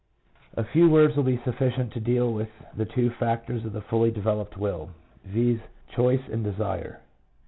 A few words will be sufficient to deal with two other factors of the fully developed will — viz., choice and desire.